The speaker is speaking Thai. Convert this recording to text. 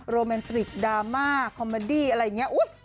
โรแมนติกดราม่าคอมเมอดี้อะไรอย่างนี้